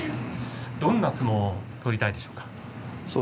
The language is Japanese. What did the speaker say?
どんな相撲を取りたいですか？